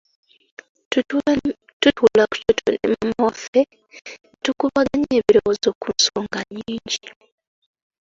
Tutuula ku kyoto ne maama waffe ne tukubaganya ebirowoozo ku nsonga nnyingi.